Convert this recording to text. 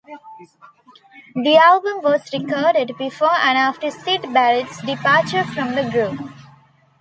The album was recorded before and after Syd Barrett's departure from the group.